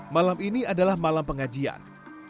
malam ini adalah malam pengajian